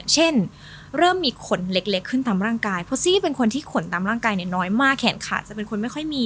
เช่นเริ่มมีขนเล็กขึ้นตามร่างกายเพราะซี่เป็นคนที่ขนตามร่างกายเนี่ยน้อยมากแขนขาจะเป็นคนไม่ค่อยมี